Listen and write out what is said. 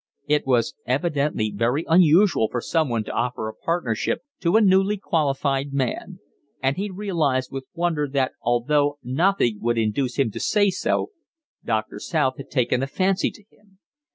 It was evidently very unusual for someone to offer a partnership to a newly qualified man; and he realised with wonder that, although nothing would induce him to say so, Doctor South had taken a fancy to him.